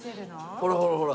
ほらほらほら！